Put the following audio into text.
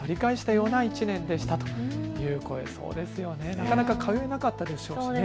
なかなか通えなかったでしょうし。